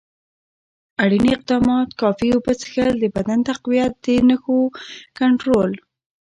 اړین اقدامات: کافي اوبه څښل، د بدن تقویت، د نښو کنټرول.